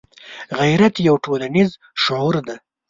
غیرت یو ټولنیز شعور دی